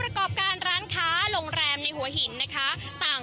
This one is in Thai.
ต่างร่วมมือที่ร้านค้าโรงแรมในหัวหินนะคะ